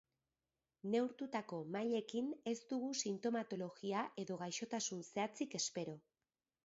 Neurtutako mailekin ez dugu sintomatologia edo gaixotasun zehatzik espero.